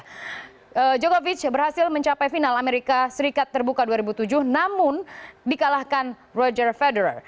karena jokovic berhasil mencapai final amerika serikat terbuka dua ribu tujuh namun dikalahkan roger federer